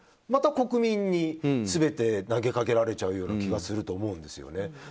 また国民に全て投げかけられちゃうような気がするんですよね。